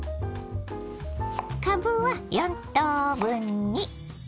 かぶは４等分に。